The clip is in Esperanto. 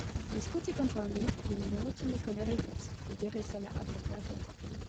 Diskuti kontraŭ li lin neutile kolerigus, li diris al la advokato.